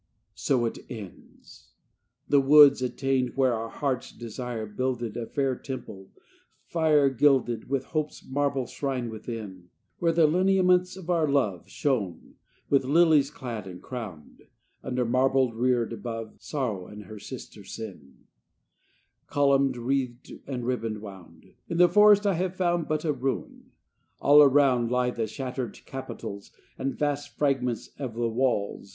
So it ends. The woods attained Where our hearts' Desire builded A fair temple, fire gilded, With Hope's marble shrine within, (Where the lineaments of our love Shone, with lilies clad and crowned, Under marble reared above Sorrow and her sister, Sin, Columned, wreathed and ribbon wound,) In the forest I have found But a ruin! All around Lie the shattered capitals, And vast fragments of the walls